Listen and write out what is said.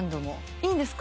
いいんですか？